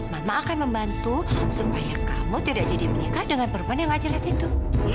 mama akan membantu supaya kamu tidak jadi menikah dengan perempuan yang ngajar di situ